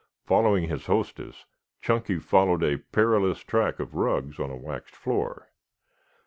Following his hostess Chunky followed a perilous track of rugs on a waxed floor.